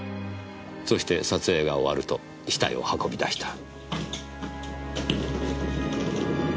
そして撮影が終わると死体を運び出した。